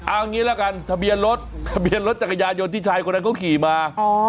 เอางี้ละกันทะเบียนรถทะเบียนรถจักรยานยนต์ที่ชายคนนั้นเขาขี่มา